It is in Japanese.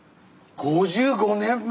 ５５年目！